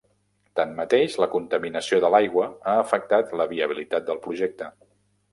Tanmateix, la contaminació de l'aigua ha afectat la viabilitat del projecte.